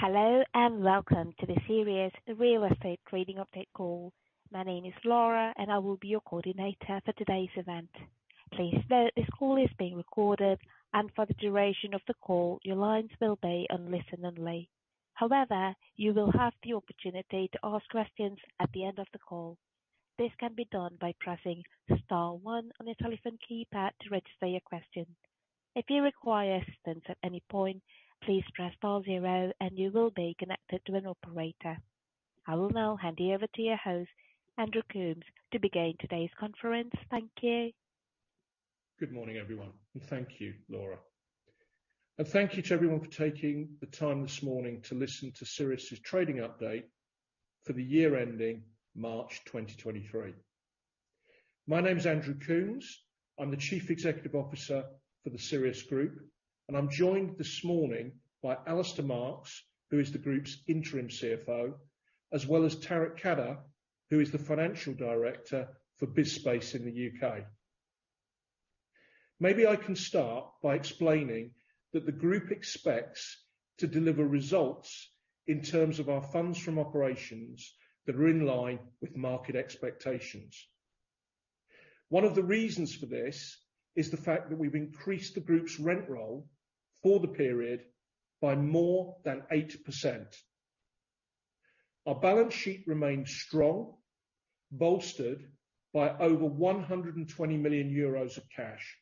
Hello, welcome to the Sirius Real Estate Trading Update call. My name is Laura, and I will be your coordinator for today's event. Please note this call is being recorded, and for the duration of the call, your lines will be on listen only. However, you will have the opportunity to ask questions at the end of the call. This can be done by pressing star one on your telephone keypad to register your question. If you require assistance at any point, please press star zero and you will be connected to an operator. I will now hand you over to your host, Andrew Coombs, to begin today's conference. Thank you. Good morning, everyone, and thank you, Laura. Thank you to everyone for taking the time this morning to listen to Sirius' trading update for the year ending March 2023. My name is Andrew Coombs. I'm the Chief Executive Officer for the Sirius Group, and I'm joined this morning by Alistair Marks, who is the group's interim CFO, as well as Tariq Khader, who is the Financial Director for BizSpace in the U.K. Maybe I can start by explaining that the group expects to deliver results in terms of our funds from operations that are in line with market expectations. One of the reasons for this is the fact that we've increased the group's rent roll for the period by more than 8%. Our balance sheet remains strong, bolstered by over 120 million euros of cash.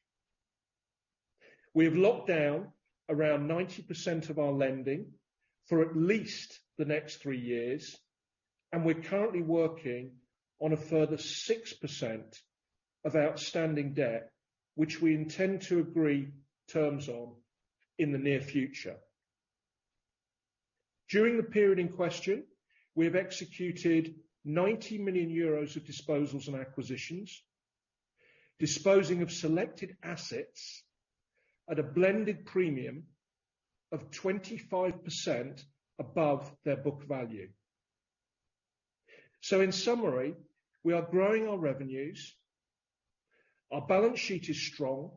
We have locked down around 90% of our lending for at least the next 3 years, and we're currently working on a further 6% of outstanding debt, which we intend to agree terms on in the near future. During the period in question, we have executed 90 million euros of disposals and acquisitions, disposing of selected assets at a blended premium of 25% above their book value. In summary, we are growing our revenues, our balance sheet is strong,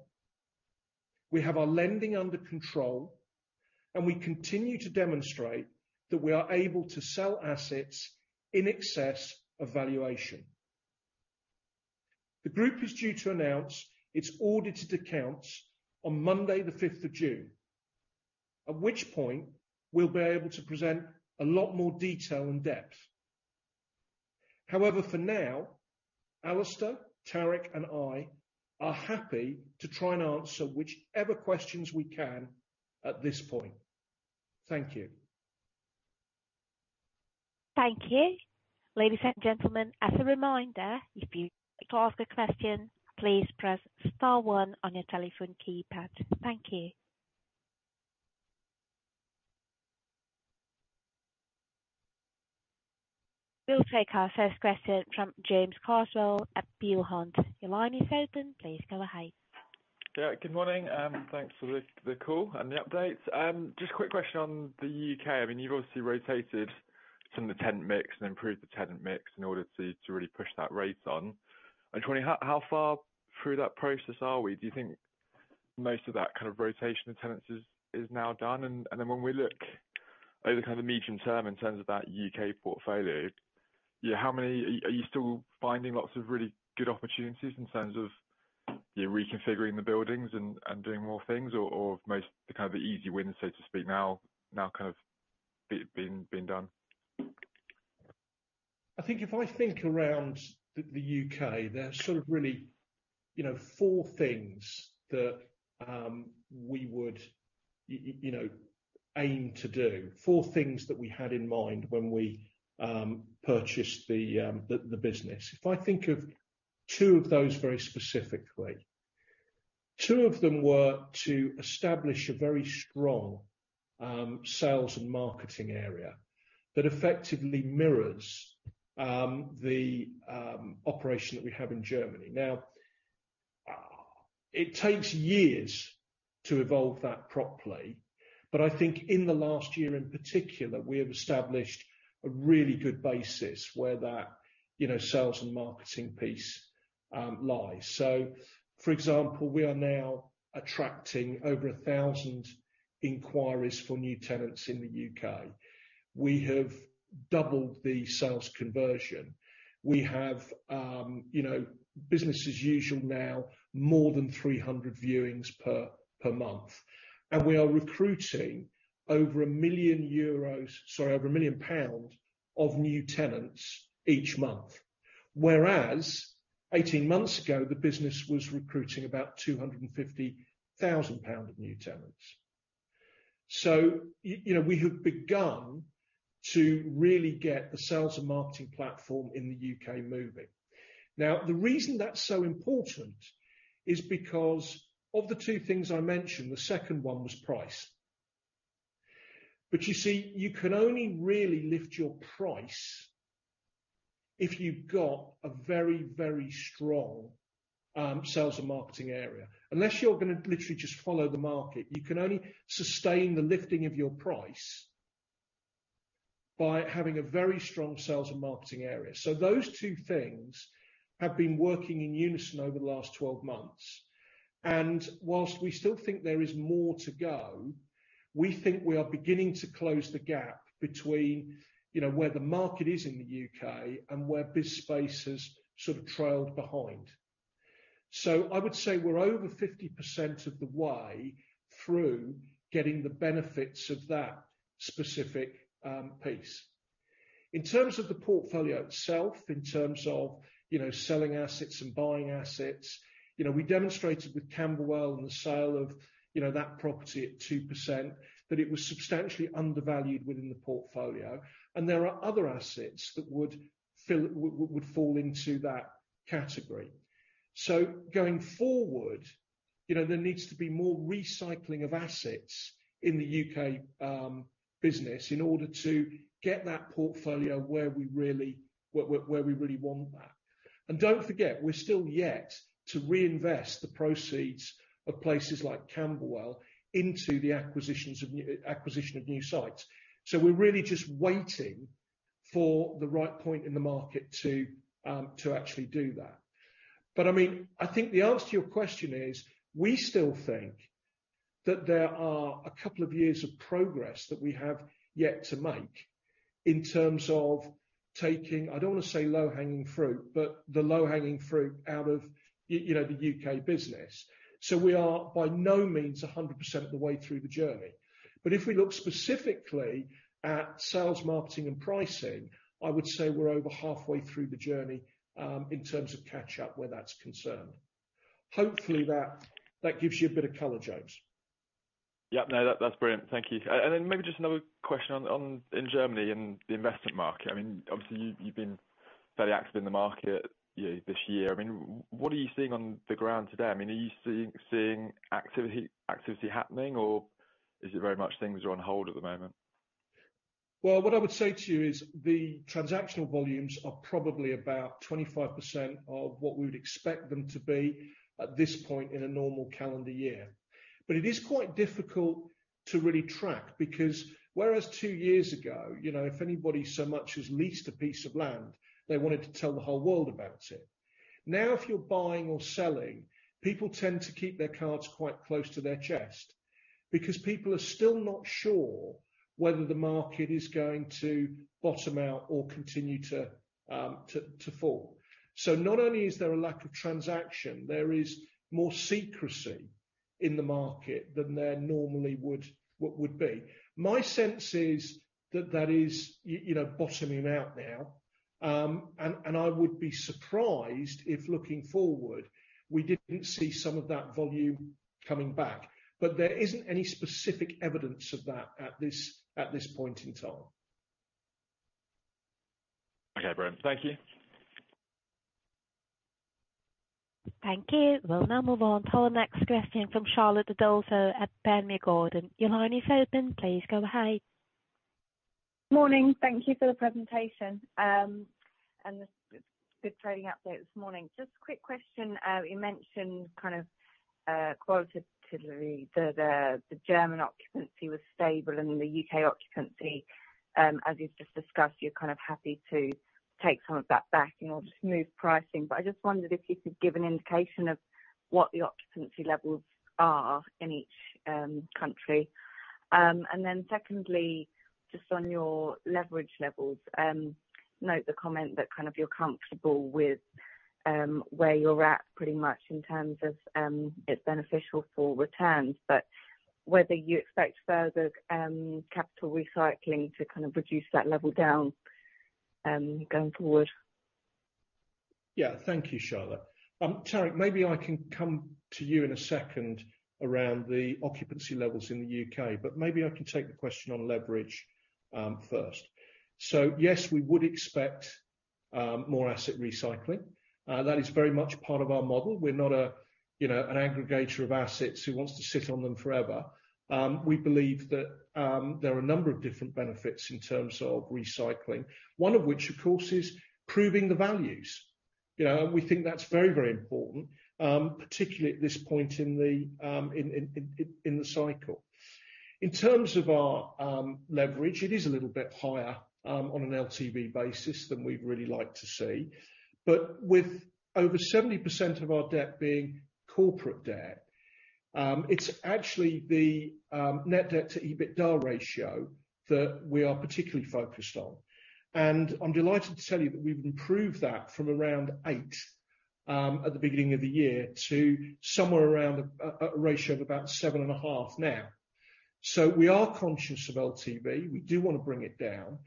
we have our lending under control, and we continue to demonstrate that we are able to sell assets in excess of valuation. The group is due to announce its audited accounts on Monday, the 5th of June, at which point we'll be able to present a lot more detail and depth. For now, Alistair, Tariq, and I are happy to try and answer whichever questions we can at this point. Thank you. Thank you. Ladies and gentlemen, as a reminder, if you'd like to ask a question, please press star one on your telephone keypad. Thank you. We'll take our first question from James Carswell at Peel Hunt. Your line is open. Please go ahead. Good morning, and thanks for the call and the update. Just a quick question on the UK. I mean, you've obviously rotated some of the tenant mix and improved the tenant mix in order to really push that rate on. I'm just wondering how far through that process are we? Do you think most of that kind of rotation of tenants is now done? When we look over kind of the medium term in terms of that UK portfolio, are you still finding lots of really good opportunities in terms of you reconfiguring the buildings and doing more things or have most the, kind of the easy wins, so to speak, been done? I think if I think around the U.K., there are sort of really, you know, four things that, you know, aim to do. Four things that we had in mind when we purchased the business. If I think of two of those very specifically, two of them were to establish a very strong sales and marketing area that effectively mirrors the operation that we have in Germany. Now, it takes years to evolve that properly, but I think in the last year in particular, we have established a really good basis where that, you know, sales and marketing piece lies. For example, we are now attracting over 1,000 inquiries for new tenants in the U.K. We have doubled the sales conversion. We have, you know, business as usual now, more than 300 viewings per month. We are recruiting over 1 million euros, sorry, over 1 million pounds of new tenants each month. 18 months ago, the business was recruiting about 250,000 pounds of new tenants. You know, we have begun to really get the sales and marketing platform in the U.K. moving. The reason that's so important is because of the two things I mentioned, the second one was price. You see, you can only really lift your price if you've got a very, very strong sales and marketing area. Unless you're gonna literally just follow the market, you can only sustain the lifting of your price. By having a very strong sales and marketing area. Those two things have been working in unison over the last 12 months. Whilst we still think there is more to go, we think we are beginning to close the gap between, you know, where the market is in the U.K. and where BizSpace has sort of trailed behind. I would say we're over 50% of the way through getting the benefits of that specific piece. In terms of the portfolio itself, in terms of, you know, selling assets and buying assets, you know, we demonstrated with Camberwell and the sale of, you know, that property at 2% that it was substantially undervalued within the portfolio. There are other assets that would fall into that category. Going forward, you know, there needs to be more recycling of assets in the U.K. business in order to get that portfolio where we really want that. Don't forget, we're still yet to reinvest the proceeds of places like Camberwell into the acquisition of new sites. We're really just waiting for the right point in the market to actually do that. I mean, I think the answer to your question is, we still think that there are a couple of years of progress that we have yet to make in terms of taking, I don't wanna say low-hanging fruit, but the low-hanging fruit out of you know, the U.K. business. We are by no means 100% of the way through the journey. If we look specifically at sales, marketing, and pricing, I would say we're over halfway through the journey, in terms of catch-up where that's concerned. Hopefully that gives you a bit of color, James. Yep. No, that's brilliant. Thank you. Then maybe just another question on in Germany and the investment market. I mean, obviously you've been very active in the market this year. I mean, what are you seeing on the ground today? I mean, are you seeing activity happening, or is it very much things are on hold at the moment? What I would say to you is the transactional volumes are probably about 25% of what we would expect them to be at this point in a normal calendar year. It is quite difficult to really track, because whereas two years ago, you know, if anybody so much as leased a piece of land, they wanted to tell the whole world about it. Now, if you're buying or selling, people tend to keep their cards quite close to their chest, because people are still not sure whether the market is going to bottom out or continue to fall. Not only is there a lack of transaction, there is more secrecy in the market than there normally would be. My sense is that that is you know, bottoming out now. I would be surprised if, looking forward, we didn't see some of that volume coming back, but there isn't any specific evidence of that at this point in time. Okay, brilliant. Thank you. Thank you. We'll now move on to our next question from Charlotte Adolpho at Panmure Gordon. Your line is open. Please go ahead. Morning. Thank you for the presentation. The good trading update this morning. Just a quick question. You mentioned qualitatively the German occupancy was stable and the U.K. occupancy, as you've just discussed, you're kind of happy to take some of that back in order to smooth pricing. I just wondered if you could give an indication of what the occupancy levels are in each country. Secondly, just on your leverage levels, note the comment that kind of you're comfortable with where you're at pretty much in terms of it's beneficial for returns, but whether you expect further capital recycling to kind of reduce that level down going forward? Yeah. Thank you, Charlotte. Tariq, maybe I can come to you in a second around the occupancy levels in the UK, but maybe I can take the question on leverage, first. Yes, we would expect more asset recycling. That is very much part of our model. We're not a, you know, an aggregator of assets who wants to sit on them forever. We believe that there are a number of different benefits in terms of recycling, one of which of course is proving the values. You know, we think that's very, very important, particularly at this point in the cycle. In terms of our leverage, it is a little bit higher on an LTV basis than we'd really like to see. With over 70% of our debt being corporate debt, it's actually the net debt to EBITDA ratio that we are particularly focused on. I'm delighted to tell you that we've improved that from around 8 at the beginning of the year to somewhere around a ratio of about 7.5x now. We are conscious of LTV. We do wanna bring it down.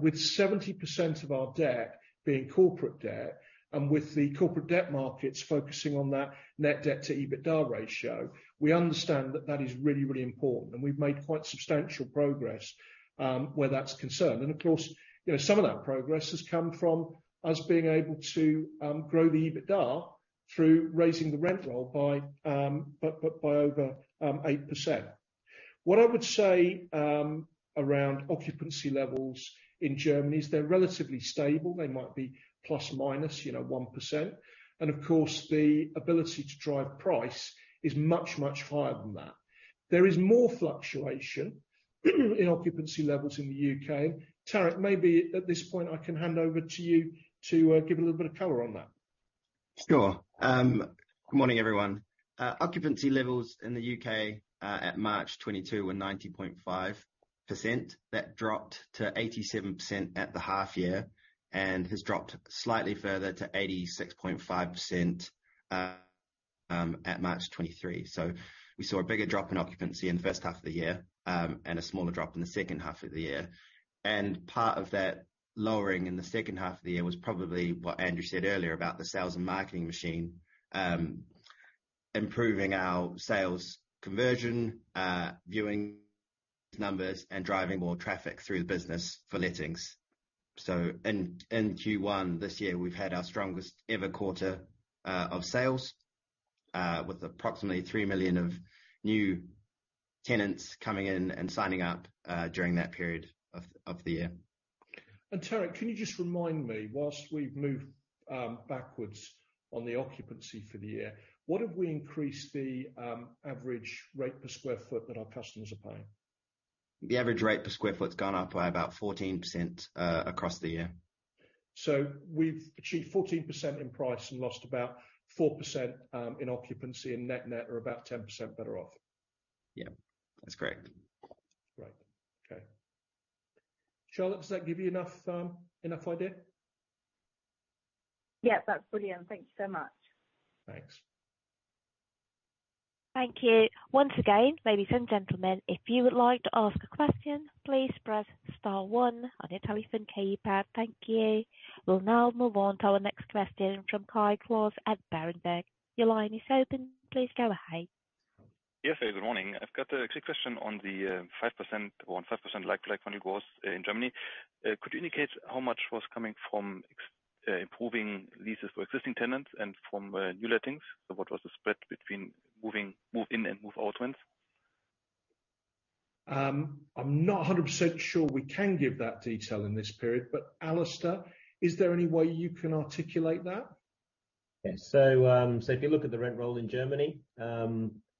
With 70% of our debt being corporate debt, and with the corporate debt markets focusing on that net debt to EBITDA ratio, we understand that that is really, really important. We've made quite substantial progress where that's concerned. Of course, you know, some of that progress has come from us being able to grow the EBITDA through raising the rent roll by over 8%. What I would say, around occupancy levels in Germany is they're relatively stable. They might be plus or minus, you know, 1%. Of course, the ability to drive price is much, much higher than that. There is more fluctuation in occupancy levels in the U.K. Tariq, maybe at this point, I can hand over to you to give a little bit of color on that. Sure. Good morning, everyone. Occupancy levels in the U.K. at March 2022 were 90.5%. That dropped to 87% at the half year and has dropped slightly further to 86.5% at March 2023. We saw a bigger drop in occupancy in the first half of the year and a smaller drop in the second half of the year. Part of that lowering in the second half of the year was probably what Andrew said earlier about the sales and marketing machine, improving our sales conversion, viewing numbers and driving more traffic through the business for lettings. In Q1 this year, we've had our strongest ever quarter of sales with approximately 3 million of new tenants coming in and signing up during that period of the year. Tariq, can you just remind me, whilst we've moved backwards on the occupancy for the year, what have we increased the average rate per square foot that our customers are paying? The average rate per square foot has gone up by about 14%, across the year. We've achieved 14% in price and lost about 4% in occupancy, and net net are about 10% better off. Yeah, that's correct. Great. Okay. Charlotte, does that give you enough idea? Yeah, that's brilliant. Thank you so much. Thanks. Thank you. Once again, ladies and gentlemen, if you would like to ask a question, please press star one on your telephone keypad. Thank you. We'll now move on to our next question from Kai Klose at Berenberg. Your line is open. Please go ahead. Yes, good morning. I've got a quick question on the 5% on 5% like-for-like when it was in Germany. Could you indicate how much was coming from improving leases for existing tenants and from new lettings? What was the spread between move in and move out rents? I'm not 100% sure we can give that detail in this period. Alistair, is there any way you can articulate that? Yes. If you look at the rent roll in Germany,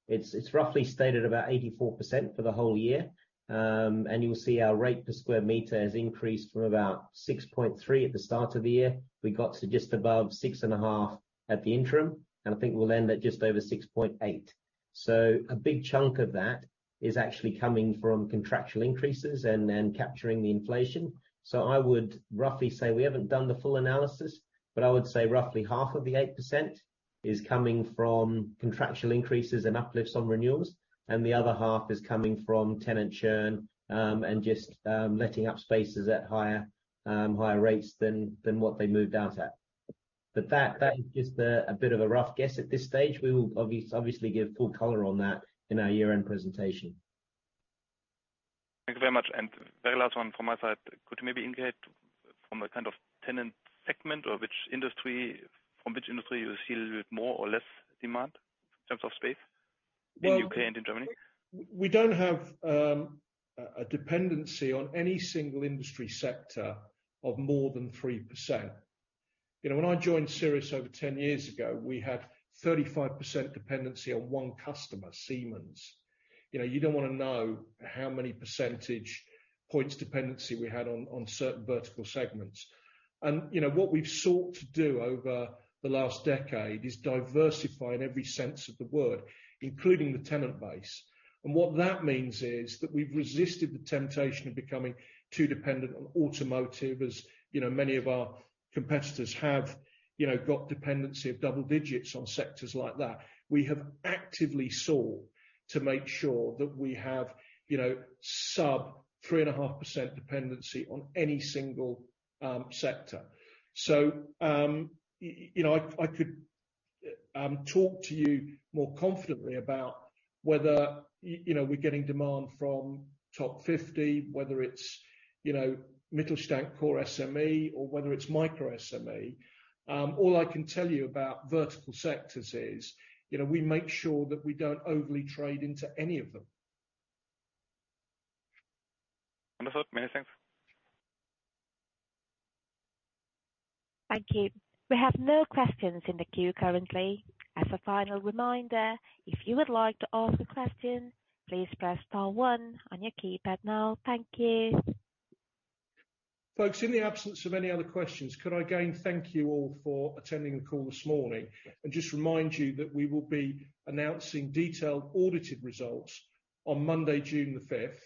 it's roughly stated about 84% for the whole year. You'll see our rate per square metre has increased from about 6.3 at the start of the year. We got to just above 6.5 at the interim, and I think we'll end at just over 6.8. A big chunk of that is actually coming from contractual increases and capturing the inflation. I would roughly say we haven't done the full analysis, but I would say roughly half of the 8% is coming from contractual increases and uplifts on renewals, and the other half is coming from tenant churn, and just letting up spaces at higher rates than what they moved out at. That is just a bit of a rough guess at this stage. We will obviously give full color on that in our year-end presentation. Thank you very much. Very last one from my side. Could you maybe indicate from a kind of tenant segment or which industry, from which industry you see a little bit more or less demand in terms of space in UK and in Germany? We don't have a dependency on any single industry sector of more than 3%. You know, when I joined Sirius over 10 years ago, we had 35% dependency on 1 customer, Siemens. You know, you don't wanna know how many percentage points dependency we had on certain vertical segments. What we've sought to do over the last decade is diversify in every sense of the word, including the tenant base. What that means is that we've resisted the temptation of becoming too dependent on automotive, as, you know, many of our competitors have, you know, got dependency of double digits on sectors like that. We have actively sought to make sure that we have, you know, sub 3.5% dependency on any single sector. I could talk to you more confidently about whether, you know, we're getting demand from top fifty, whether it's, you know, Mittelstand core SME or whether it's micro SME. All I can tell you about vertical sectors is, you know, we make sure that we don't overly trade into any of them. Understood. Many thanks. Thank you. We have no questions in the queue currently. As a final reminder, if you would like to ask a question, please press star one on your keypad now. Thank you. Folks, in the absence of any other questions, could I again thank you all for attending the call this morning and just remind you that we will be announcing detailed audited results on Monday, June the fifth.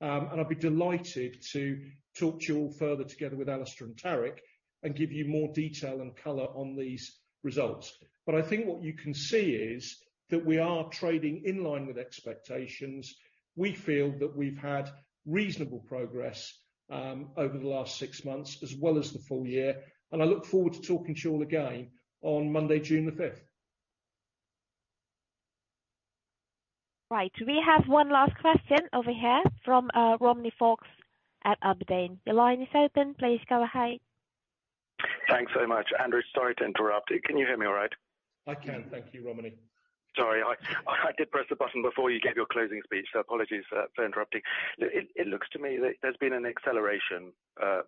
I'd be delighted to talk to you all further together with Alistair and Tariq and give you more detail and color on these results. I think what you can see is that we are trading in line with expectations. We feel that we've had reasonable progress over the last six months as well as the full year, I look forward to talking to you all again on Monday, June the fifth. Right. We have one last question over here from Romney Fox at Aberdeen. Your line is open. Please go ahead. Thanks so much. Andrew, sorry to interrupt you. Can you hear me all right? I can. Thank you, Romney. Sorry, I did press the button before you gave your closing speech. Apologies for interrupting. It looks to me that there's been an acceleration,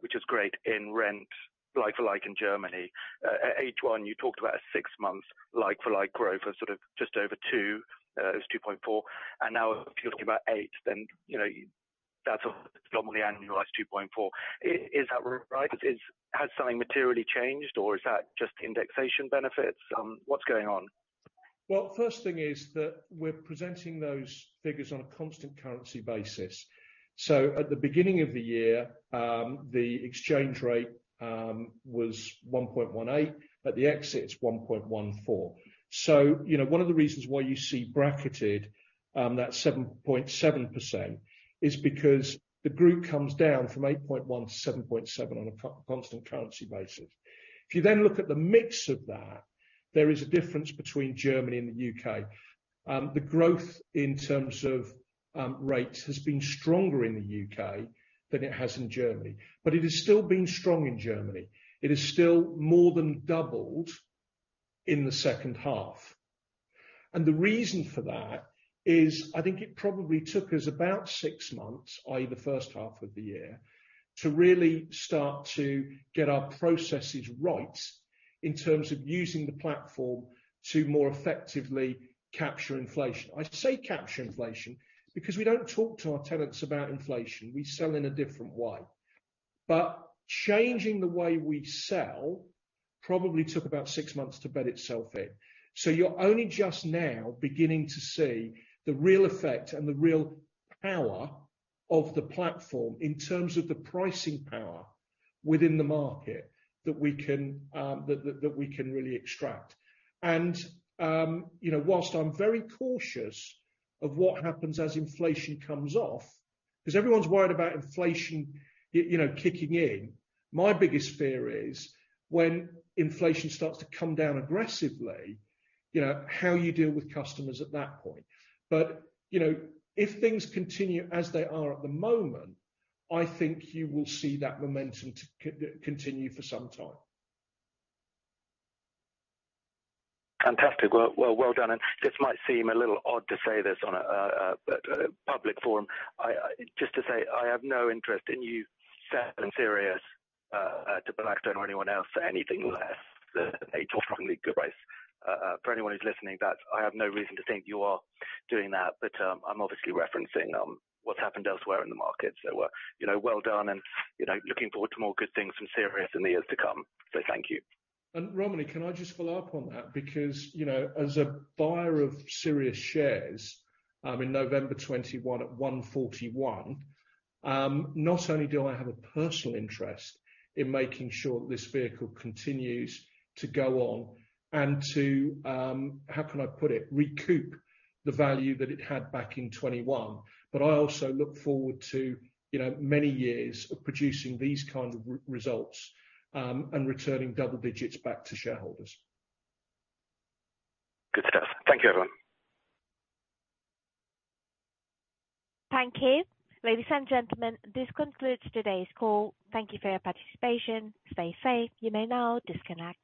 which is great, in rent like-for-like in Germany. At H1, you talked about a 6-month like-for-like growth of sort of just over 2, it was 2.4. Now if you're talking about 8, then, you know. That's normally annualized 2.4. Is that right? Has something materially changed, or is that just indexation benefits? What's going on? Well, first thing is that we're presenting those figures on a constant currency basis. At the beginning of the year, the exchange rate was 1.18. At the exit, it's 1.14. You know, one of the reasons why you see bracketed that 7.7% is because the group comes down from 8.1 to 7.7 on a constant currency basis. If you look at the mix of that, there is a difference between Germany and the U.K. The growth in terms of rates has been stronger in the U.K than it has in Germany. It has still been strong in Germany. It is still more than doubled in the second half. The reason for that is, I think it probably too.k us about six months, i.e., the first half of the year, to really start to get our processes right in terms of using the platform to more effectively capture inflation. I say capture inflation because we don't talk to our tenants about inflation. We sell in a different way. Changing the way we sell probably took about six months to bed itself in. You're only just now beginning to see the real effect and the real power of the platform in terms of the pricing power within the market that we can, that we can really extract. You know, whilst I'm very cautious of what happens as inflation comes off, 'cause everyone's worried about inflation you know, kicking in, my biggest fear is when inflation starts to come down aggressively, you know, how you deal with customers at that point. You know, if things continue as they are at the moment, I think you will see that momentum to continue for some time. Fantastic. Well done, this might seem a little odd to say this on a public forum. Just to say, I have no interest in you selling Sirius to Blackstone or anyone else for anything less than a top friendly good price. For anyone who's listening, that's I have no reason to think you are doing that, I'm obviously referencing what's happened elsewhere in the market. You know, well done, you know, looking forward to more good things from Sirius in the years to come. Thank you. Romney, can I just follow up on that? Because, you know, as a buyer of Sirius shares, in November 2021 at 141, not only do I have a personal interest in making sure this vehicle continues to go on and to, how can I put it, recoup the value that it had back in 2021, but I also look forward to, you know, many years of producing these kind of results, and returning double digits back to shareholders. Good stuff. Thank you, everyone. Thank you. Ladies and gentlemen, this concludes today's call. Thank you for your participation. Stay safe. You may now disconnect.